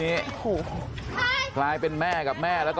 เฮ้ยเฮ้ยเฮ้ยเฮ้ยเฮ้ยเฮ้ยเฮ้ยเฮ้ย